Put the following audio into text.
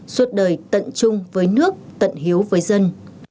suốt đời tận chung với nước tận hiếu với dân